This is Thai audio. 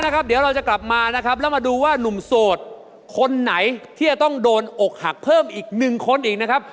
ครับเดี๋ยวเราจะกลับมานะครับแล้วมาดูว่านุ่มโสดคนไหนที่จะต้องโดนอกหักเพิ่มอีกหนึ่งคนอีกนะครับ